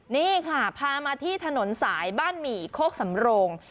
นี่ค่ะพามาที่ถนนสายบ้านหมี่โคกสำโรง